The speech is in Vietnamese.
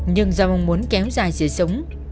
nhưng do mong muốn kéo dài sự sống